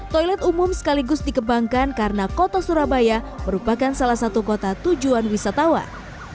toilet umum sekaligus dikembangkan karena kota surabaya merupakan salah satu kota tujuan wisatawan